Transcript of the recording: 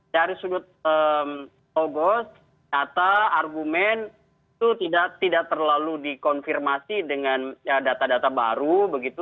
dari sudut logos data argumen itu tidak terlalu dikonfirmasi dengan data data baru begitu